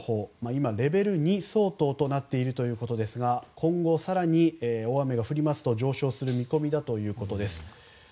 今、レベル２相当となっているということですが今後さらに大雨が降ると上昇する見込みだということです。